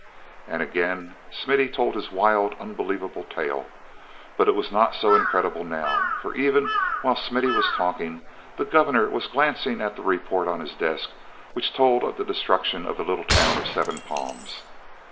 And again Smithy told his wild, unbelievable tale. But it was not so incredible now, for, even while Smithy was talking, the Governor was glancing at the report on his desk which told of the destruction of the little town of Seven Palms.